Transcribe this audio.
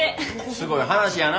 すごい話やな。